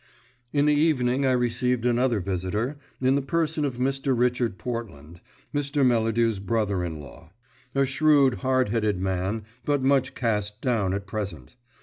In the evening I received another visitor, in the person of Mr. Richard Portland, Mr. Melladew's brother in law. A shrewd, hard headed man, but much cast down at present.